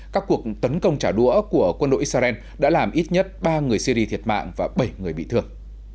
các cuộc tấn công trả đũa của quân đội israel đã làm ít nhất ba người syri thiệt mạng và bảy người bị thương